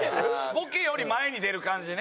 ボケより前に出る感じね？